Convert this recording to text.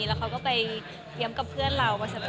แล้วเขาก็ไปเยี่ยมกับเพื่อนเราเสมอ